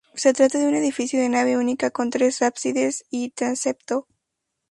Se trata de un edificio de nave única, con tres ábsides y transepto.